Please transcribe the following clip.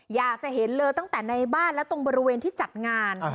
อยากจะเห็นเลยตั้งแต่ในบ้านและตรงบริเวณที่จัดงาน